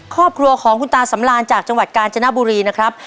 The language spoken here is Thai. ครอบครัวของคุณตาสำราญจากจังหวัดกาญจนบุรีนะครับ